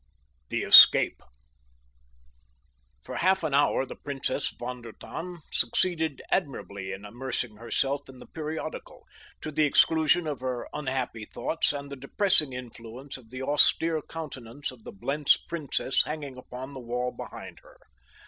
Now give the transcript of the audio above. V. THE ESCAPE For half an hour the Princess von der Tann succeeded admirably in immersing herself in the periodical, to the exclusion of her unhappy thoughts and the depressing influence of the austere countenance of the Blentz Princess hanging upon the wall behind her.